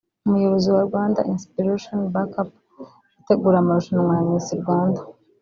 umuyobozi wa Rwanda Inspiration Back Up itegura amarushanwa ya Miss Rwanda